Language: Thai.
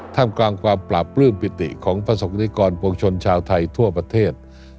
ทำกลางความปราบปลื้มปิติของประสบกรณิกรปวงชนชาวไทยทั่วประเทศ